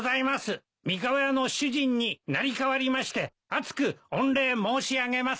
三河屋の主人に成り代わりまして厚く御礼申し上げます。